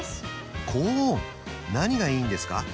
何がいいんですか？